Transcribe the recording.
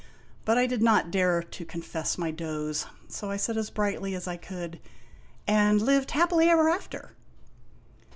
But I did not dare to confess my doze, so I said as brightly as I could :" And lived happily ever after